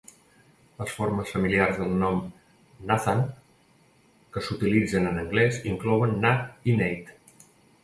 Les formes familiars del nom Nathan que s'utilitzen en anglès inclouen Nat i Nate.